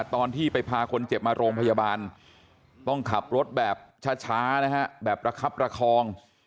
ตอนที่ไปพาคนเจ็บมาโรงพยาบาลต้องขับรถแบบช้านะฮะแบบระคับประคอง